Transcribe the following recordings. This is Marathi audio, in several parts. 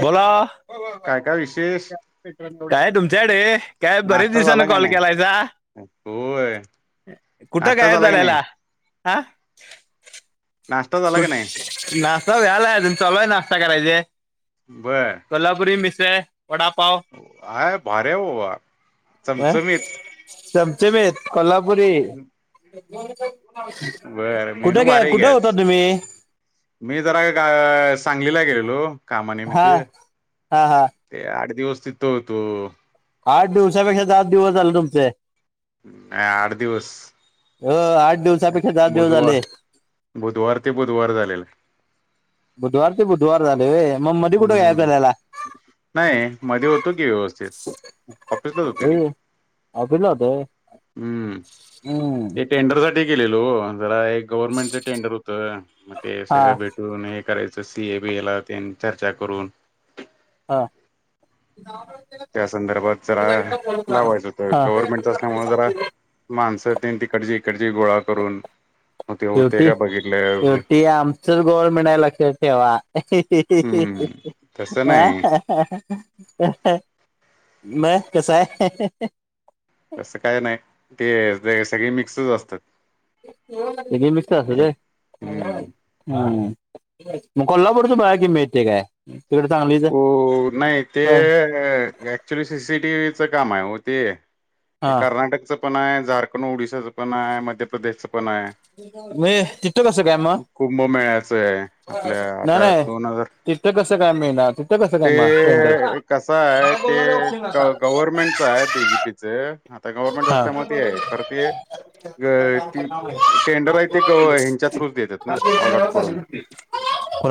बोला काय काय विशेष काय तुमच्याकडे काय बरेच नाश्ता झाला दिसाांनी का कॉल नाही केलायचा होय कुठं नाश्ता गायब झाला का नाही झाल्याला हा नाश्ता झाला कुठ का नाही नाश्ता व्यालायजून चलूय नाश्ता करायचे बर कोल्हापुरी मिशय वडापाव हय भार्या व चमचमित चमचमेत कोल्हापुरी बर मेनू कुठे गे भारी आहे की कुठे होता आज तुम्ही मी जरा का सांगलीला गेलेलो कामानमित हा हा हा ते आठ दिवस तिथ हो तो आठ दिवसापेक्षा आठ दिवस झाले तुमचे अ आठ दिवस अ आठ दिवसापेक्षा जाात देव बुधवार झाले बुधवार ते बुधवार झालेल बुधवार ते बुधवार झाले मग मध्ये कुठे कायब हम्म झाल्याला नाही मध्ये होतो की व्यवस्थित ऑफिसलाच होतो की तला ते हम्म हम् ते टेंडर साठी गेलेलो जरा एक गव्हर्नमेंटचं टेंडर होतं मग ते हा सगळ भेट तून हे करायचं सी ए बीला ते चर्चा करून हां. त्या संदर्भात जरा लावायचं होत हा गव्हर्नमेंटच असल्यामुळे जरा माणसं त तिकडची इकडची गोळा करून हो ते होते का बघितलं सेंट्रल गव्हर्नमेंट आहे लक्षात ठेवा हम्म तसं नाही हा मग कसाय असं काय नाही ते सगळे मिक्सच असतात त मिक्स् अस दे हम्म हम्म मग कोल्हापूरच बघा कि मिळतय काय तिकडे चांगली ओ नाही ते ऍक्च्युली सीसीटीव्हीचं काम आहे हो ते ते हा कर्नाटकच पण आहे झारखंड ओडिशाचं पण आहे मध्य प्रदेशच पण आहे मी तिथं कसं काय मग कुंभमेळ्याचं आहे आपल्या आता दोन हजार तिथं कसं काय मिळणार? तिथं कसं काय मग सेंटर ते कसा आहे ते गव्हर्मेंटच आहे बीजेपीच आता गव्हर्नमेंट हा असल्यामुळे ते करतेय ती टेंडर आहे ते हच्या थ्रूच देतात ना अलॉट कडून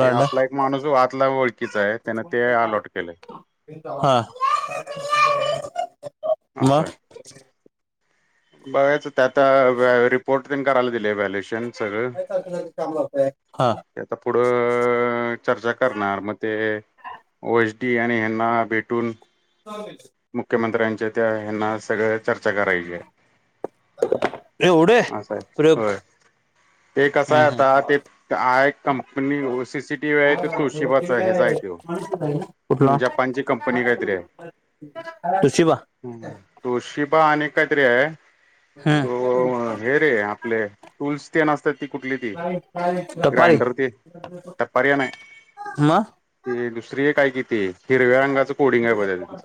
ते आपला एक माणूस आतला ओळखीचा आहे त्यान ते अलॉट केलंय हा मग बघयचं ते आता रिपोर्ट तेन करायला दिल आहे व्हॅल्युएशन सगळं हा ते आता पुढं चर्चा करणार मग ते ओ एस डी आणि हयांना भेटून [inaudible] मुख्यमंत्र्यांचे त्या हयांना सगळी चर्चा करायची आहे एवढे असं आहे प्रयोग होय ते कसं आहे आता ते एक company C. C. T. V आहे त तुळशिबाच ह्याच आहे तो कुठला जपानची कंपनी तु शिवा हम्म तुळशीबा आणि काहीतरी आहे तो हे रे आपले टूल्स तेन असत्यात ती कुठली ती तुपारी [inaudible] तपारी मग ते दुसरी एक आहे की ती हिरव्या रंगाचं कोडिंग आहे बघ त्याच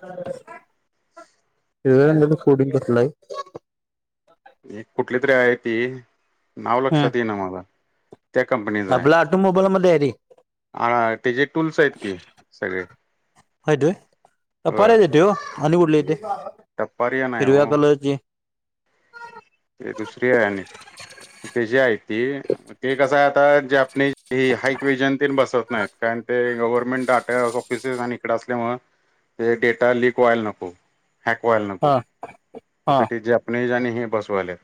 हे कोडींग बसलाय एक कुठली तरी आहे ती नाव हम्म. लक्षात येईना मला त्या कंपनीचा आहे आपला ऑटोमोबाईल मध्ये आहे रे हा त्याचे टूल्स आहेत की सगळे आहेत होय पार आहे रे त्यो आणि कुठल येतंय दपारीया नाहीय ओ ते दुसरी आहे आणि त्याची आहे ती ते कसं आहे आता जे आपले हाईक वेजनते बसत नाहीत कारण ते गव्हर्नमेंट डाटा ऑफिसेस आणि इकडे असल्यामुळे ते डेटा लिंक व्हायला नको हाक व्हायला नको हां. त्यासाठी जे जापनीज हे बसवाल्यात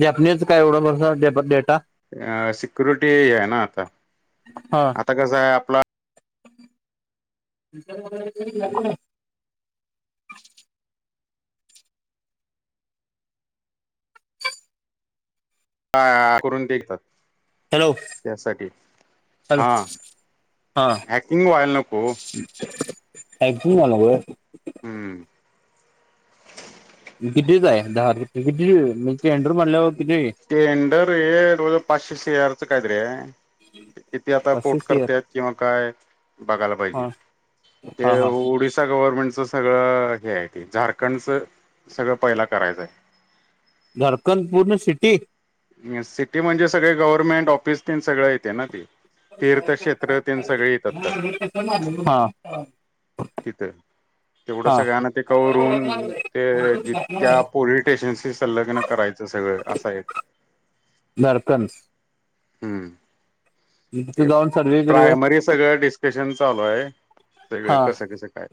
जापनीज काय एवढं बसवणार डेटा अ सिक्युरिटी आहे ना आता हा आता कस आहे आपला [inaudible] करून देतात हॅलो त्यासाठी हॅलो. हा हा हॅकिंग व्हायला नको ओ हॅकिंग व्हायला नको होय हम्म किती दिवस आहे दहा किती म्हणजे टंटर म्हल्यावर किती टेंडर हे रोज पाचशे सी आर च काही तरी आहे की ते आता पाचशे कोट शेअर करत्यात किंवा काय बघायला पाहिजे हा ते हा हा ओडिसा गव्हर्नमेंटच सगळं हे आहे ते झारखंडचं सगळं पहिलं करायचं आहे झारखंड पूर्ण सिटी सिटी म्हणजे सगळे गव्हर्नमेंट ऑफिस तन सगळं येते ना ते तीर्थक्षेत्र तन सगळे येतात हा. तिथं तेवढं हा सगळ्यांना ते करून ते जित्या पोरी शन सल्लगन करायचं सगळं असं आहे दरकन हम् तिथे ते जाऊन सर्वे बिर्वे प्रायमरी सगळं डिस्कशन चालू आहे हा सगळं कसं कसं काय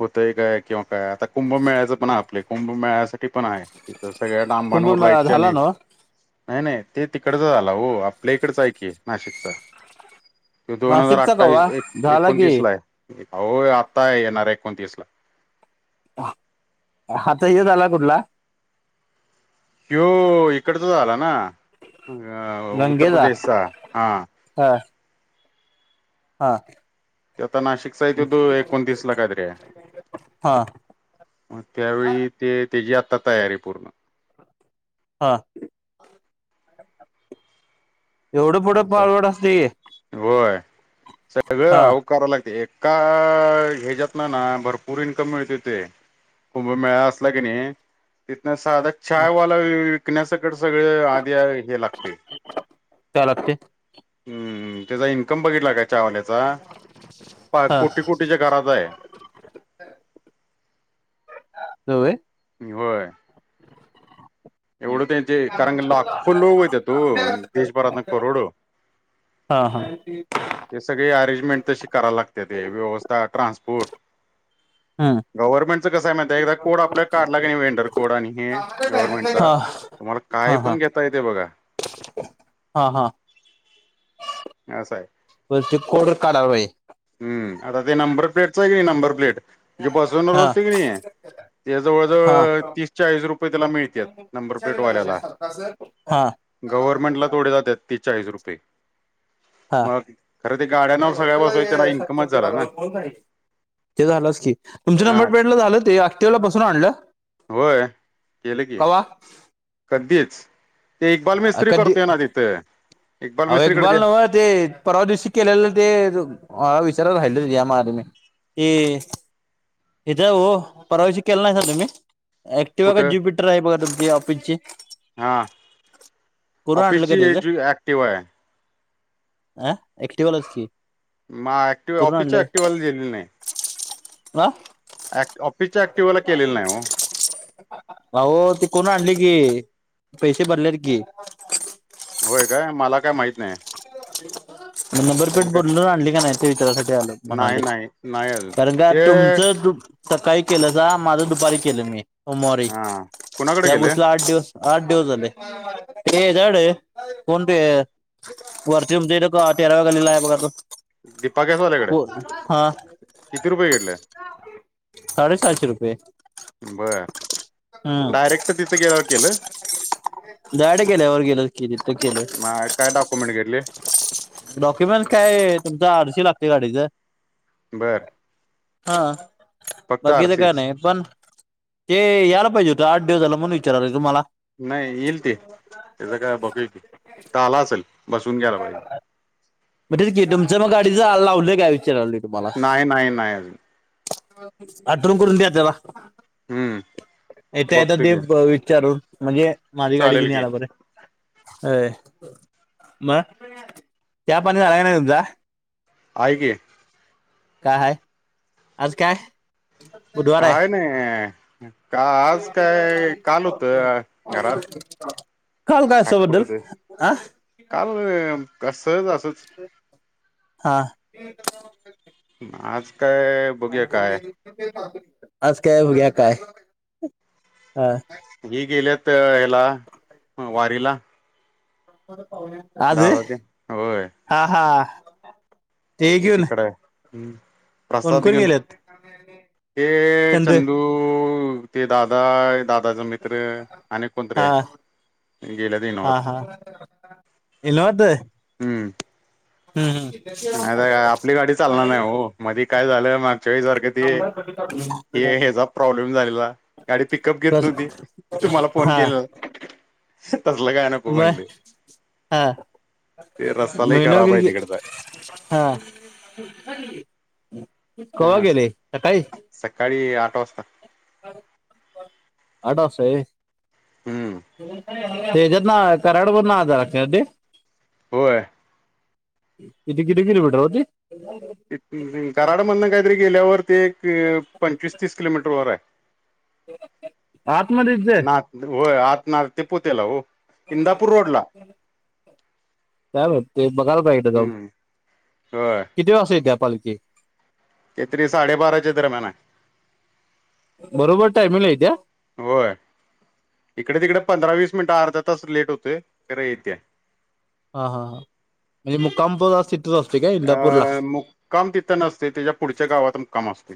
होतय काय किंवा काय आता कुंभमेळायचं पण आपले कुंभमेळाचं पण आहे तथ सगळ्या डांबांवर कुंभमेळा लाईटच्या झाला आणि ना नाही नाही ते तिकडच झालं हो आपल्या इकडच आहे की नाशिकचा दोन हजार नाशिकचा अठ्ठावीस कवा एक झाला की एकोणतीस ला आहे हो आत्ता आहे येणार एकोणतीस ला हाता हे झाला कुठला हिो इकडच आला ना उत्तर गंगेचा प्रदेशचा हा हा हा ते आता नाशिकचा य त तो एकोणतीस ला काात रे हा मग त्यावेळी ते त्याची आता तयारी पूर्ण हां एवढं पुढं असं आहे पाळवड असते हा करा लागते एका ह्याच्यात ना ना भरपूर इन्कम मिळते ते कुंभमेळा असला की नाही तिथन साधक चायवाला विकण्यासकडे सगळ आधी हे लागतेय चालात ते हम्म त्याचा इन्कम बघितला काय चावल्याचा पा हा कोटी कोटीच्या घराचा आहे होय होय एवढं त्यांचे कारण लाखो लोक होते तो देशभरातन करोड हा हा ते सगळे अरेंजमेंट तशी कराला लागते ते व्यवस्था ट्रान्सपोर्ट हम्म गव्हर्नमेंटचा कस आहे म्हणत एकदा कोड आपल्या काढला की नाही वेंडर कोड आणि हे हा गव्हर्नमेंट चा हा तुम्हाला काय हा पण घेता येते बघा हा हा असं आहे व कोर्डर काढालाय हम् आता ते नंबर प्लेटच आहे की नाही नंबर प्लेट म्हणजे बसवून हा रजते की नाही ते हा जवळजवळ तीस चाळीस रुपये त्याला मिळते नंबर प्लेट वाल्याला हा गव्हर्नमेंट ला थोडे जात त तेसचाळीस रुपये मग खरं ते गाड्यांवर सगळ्या बसवायच सातशे रुपयेभ करून झा ते झालंच की तुमच्या हा नंबर प्लेट ला झालं ते क्टिवला पासून आणलं होय केलं की कवा कधीच ते इक्बाल मिस्त्री करतोय ना तिथे अ एक बाल नव ते परवा दिवशी केलेलं ते विचारला राहिलं या म आ म ते हचा हो परवाश केला नाही स तुम्ही ऍक्टिव आहे का कुठं ज्युपिटर आहे बघा तुमची ऑफिस ची हा. करून आणलं का त्याचं किवाय आहे. अह एकट बज की माऍक्टव्ह करून अफिसच आणलं ऍक्टव्ह आलीेली ना नाही ह ऑफिसच्या ऍक्टिव्हला केलेलं नाही हो अह ते कोण आणली कि पैसे भरलेत की. होय काय मला काय माहित नाही. नंबर प्लेट कारण का बोलून आणली का नाही ते विचारासाठी आलंय नाही म्हणालेय. नाही नाही अजून कार का ते तुमचं तु सकाळी केलं जा माझं दुपारी केलं मी सोमवारी हा कुणाकडे त्या गेले गोष्टला आठ दिवस आठ दिवस झाले ते झाड कोण वरती म्हणजेत का तेराव्या गलीला आहे बघा त दीपा [inaudible] गॅसवाल्याकडे बोल हा. किती रुपये घेतले साडेसातशे रुपये. बर हम्म डायरेक्ट तिथं गेल्यावर केलं दाड केलं एर गेलं केली तर केलं. मग काय डॉक्युमेंट घेतले डॉक्युमेंट काय तुमचा आरशी लागते गाडीच. बर हा फक्त बघकीच का आरसीच नाही पण ते याला पाहिजे होतं आठ दिवसाला मण विचारालं तुम्हाला. नाही येईल ते त्याच काय बघूल आता आला असेल बसून ग्यायला पाहिजे. [inaudible] मग तेच तुमच्या मग गाडी जा लावलंय काय विचारा लोय. नाही नाही नाही अजून. अठवन करून दया त्याला. हम्म येत येत बघतो ते की विचारून म्हणजे माझी गाडी चालेल कुणी की आला बर. ये मग. चाहा पनी अलाग नाही तूमचा. हाय की. काय आहे. आज काय. बुधवार आहे. काय नाही का आज काय काल होतं घरात काल काय अस होत खाटखुट होतं आ. काल सहज असच. ह हा. आज काय. बघूया काय असज काय उद्या काय हा. ही गेलेत ह्याला वारीला. प परत [unintelligible] दादा त्यो होय. हा हा. ते तिकड हाय. कोण प्रसाद कोण घेऊन गेलेत ए चंदू ते दादा दादाचा मि त्र आणि कोणतरी हा हाय गेल्याती न्हव हा हा. इनवात. हम्म. नाही‌ नाही आपली गाडी चालणार नाही ओ, मधी काय झालं मागच्या वेळीसारखं ते. हे हेचा प्रॉब्लेम झालेला. गाडी पिकअप घेत बस नव्हती तुम्हाला फोन हा केला. तसलं काय नको मग म्हणल. हा रस्ता [unintelligible] लय खराब आहे तिकडचा हा कव्हा हा असं गेलंय सकाळी. सकाळी आठ वाजता. आठ वाजता व्हय. हम्म हेज्यातन कराड वरण आत जायला लागतंय काय ते, होय. इथं किती किलोमीटर ओ ते, [unintelligible] कराडमधन कायतरी गेल्यावर ते, एक पंचवीस तीस किलोमीटर वर आहे. आत मध्येच ये. नात होय, आतन आत ते पुत्याला ओ. [unintelligible] काय माहित ते बघायला पाहिेजे, एकदा जाऊन हम्म होय किती वाजता येत्या पालखी. ते तरी साडेबाराच्या दरम्यान आय. बरोबर टाईमिंगला येत्या. होय, इकडे तिकडे पंधरा वीस मिनिट अर्धा तास लेट होतोय खरं येत्या. हा हा म्हणजे मुक्काप असं. अ मुक्काम तिथं नसते, त्यांच्या पुढच्या गावात मुक्काम असतय.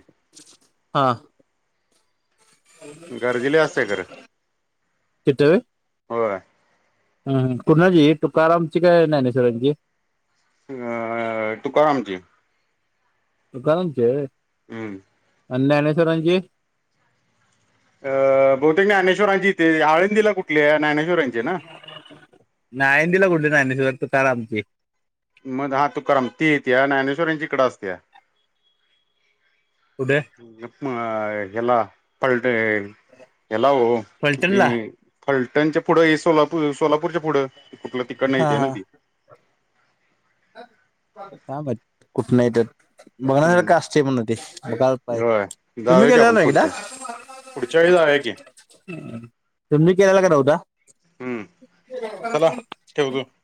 आ.. गर्दीले असते खरं कुठं. होय. हम. कुणाची, तुकारामची काय ज्ञानेश्वरांची. अ तुकारामची. तुकारामांची हाय होय. हम्म. आणि ज्ञानेश्वरांची. अ... बहुतेक ज्ञानेश्वरांची इथे, आळंदीला कुठली आहे ज्ञानेश्वरांची ना. आळंदी ला कुठलं ज्ञानेश्वर तुकाराम ची. मग हा तुकाराम ती, येत्या ज्ञानेश्वरांची इकडे असत्या. कुठे अ हेला पलट ये. हेला ओ, फलटणला फलटणच्या पुढं हे सोलापूर सोलापूरच्या पुढं. कुठलं तिकडन हा येत्या ना हा ती. काय माहित कुठं येत्यात. हम्म बघण्यासारखं असतय म्हण ते, पाय होय तुम्ही जाऊया की गेलाय आपण ना एकदा. पुढच्या पुढच्या वेळी जाऊया की तुम्ही हम्म [unintelligible] [unintelligible]